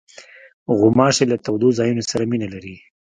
غوماشې له تودو ځایونو سره مینه لري.